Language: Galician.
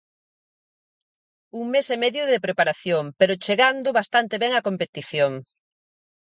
Un mes e medio de preparación, pero chegando bastante ben á competición.